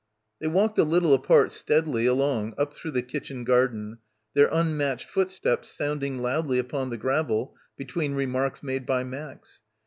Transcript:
They walked a little apart steadily along up through the kitchen garden, their unmatched footsteps sounding loudly upon the gravel be tween remarks made by Max.